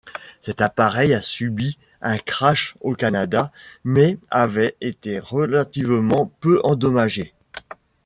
Cet appareil avait subi un crash au Canada mais avait été relativement peu endommagé.